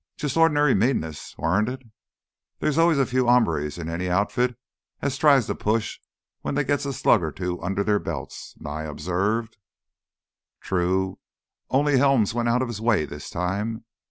"Jus' ornery meanness, warn't it? There's always a few hombres in any outfit as tries to push when they gits a slug or two under their belts," Nye observed. "True. Only Helms went out of his way this time.